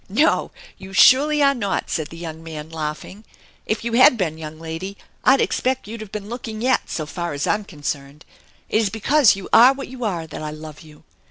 " No, you surely are not !" said the young man, laughing. " If you had been, young lady, I expect you'd have been looking yet &o far as I am concerned. It is because you are what you are that I love you.